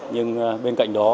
nhưng bên cạnh đó